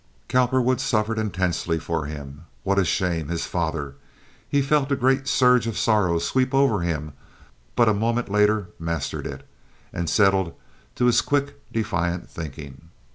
Cowperwood suffered intensely for him. What a shame! His father! He felt a great surge of sorrow sweep over him but a moment later mastered it, and settled to his quick, defiant thinking.